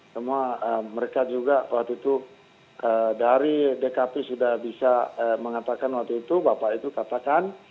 semua mereka juga waktu itu dari dkp sudah bisa mengatakan waktu itu bapak itu katakan